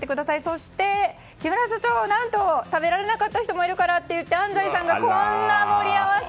そして、木村社長、何と食べられなかった人もいるからと安齋さんがこんな盛り合わせ！